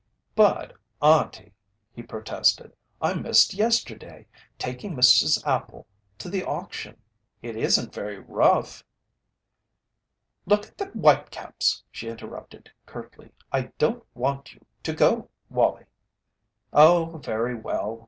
"But, Auntie," he protested, "I missed yesterday, taking Mrs. Appel to the auction. It isn't very rough " "Look at the white caps," she interrupted, curtly, "I don't want you to go, Wallie." "Oh, very well."